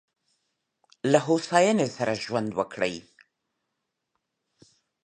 له هوساینې سره ژوند وکړئ.